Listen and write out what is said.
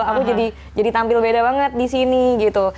aku jadi tampil beda banget disini gitu